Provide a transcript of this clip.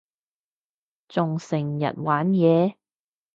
仲成日玩嘢